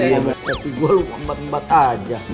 tapi gue lupa mbak mbak aja